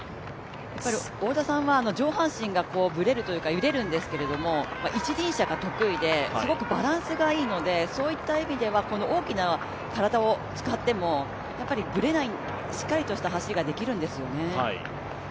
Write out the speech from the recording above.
太田さんは上半身がブレるというか、揺れるんですけど、一輪車が得意で、すごくバランスがいいので、そういった意味ではこの大きな体を使ってもしっかりとした走りができるんですよね。